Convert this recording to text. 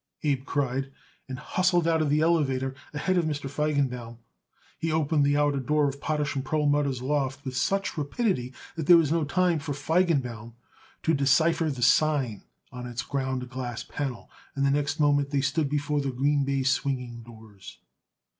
Abe cried, and hustled out of the elevator ahead of Mr. Feigenbaum. He opened the outer door of Potash & Perlmutter's loft with such rapidity that there was no time for Feigenbaum to decipher the sign on its ground glass panel, and the next moment they stood before the green baize swinging doors.